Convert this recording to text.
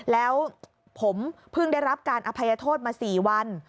แล้วผมเพิ่งได้รับการอภัยโทษมา๔วัน